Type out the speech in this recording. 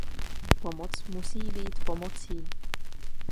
Pomoc musí být pomocí.